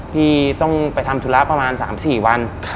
พี่ต้องไปทำธุระประมาณ๓๔วัน